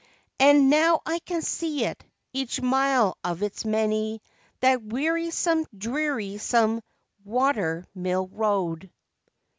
And now I can see it, each mile of its many; that wearisome, drearisome water mill road.